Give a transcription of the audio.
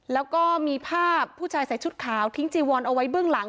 แล้วก็มีภาพผู้ชายใส่ชุดขาวทิ้งจีวอนเอาไว้เบื้องหลัง